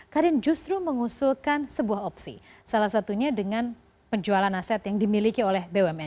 karin justru mengusulkan sebuah opsi salah satunya dengan penjualan aset yang dimiliki oleh bumn